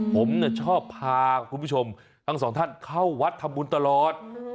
ผมชอบพาคุณผู้ชมทั้งสองท่านเข้าวัดทำบุญตลอด